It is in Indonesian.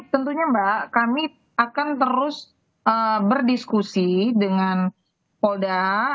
tentunya mbak kami akan terus berdiskusi dengan polda